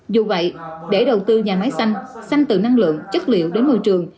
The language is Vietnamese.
dù vậy để đầu tư nhà máy xanh xanh từ năng lượng chất liệu đến môi trường